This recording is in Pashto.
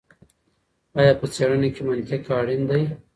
ایا په څېړنه کي منطق اړین دئ؟